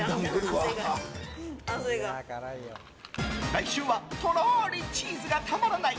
来週はとろーりチーズがたまらない。